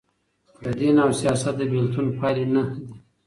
د دین او سیاست د بیلتون پایلي نهه دي.